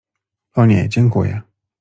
— O nie, dziękuję.